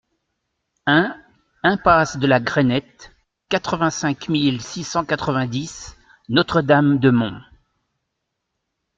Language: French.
un impasse de la Grainette, quatre-vingt-cinq mille six cent quatre-vingt-dix Notre-Dame-de-Monts